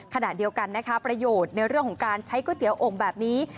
ขณะเดียวกันนะคะประโยชน์ในเรื่องของการใช้ก๋วเตี๋ยอกแบบนี้